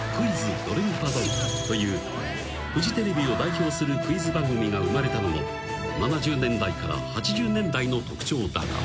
［フジテレビを代表するクイズ番組が生まれたのも７０年代から８０年代の特徴だが］